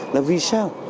làm vì sao